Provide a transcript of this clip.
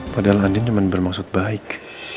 padahal andi cuman bermaksud baik